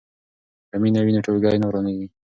که مینه وي نو ټولګی نه ورانیږي.